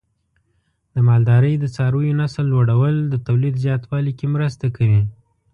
د مالدارۍ د څارویو نسل لوړول د تولید زیاتوالي کې مرسته کوي.